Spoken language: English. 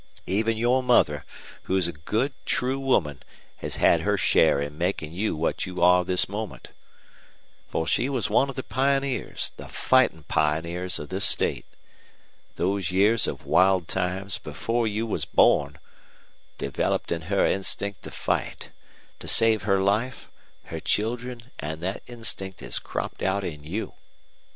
Even your mother, who's a good, true woman, has had her share in making you what you are this moment. For she was one of the pioneers the fightin' pioneers of this state. Those years of wild times, before you was born, developed in her instinct to fight, to save her life, her children, an' that instinct has cropped out in you.